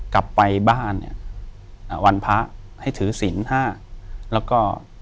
กลับไปบ้านเนี่ยอ่าวันพระให้ถือศิลป์ห้าแล้วก็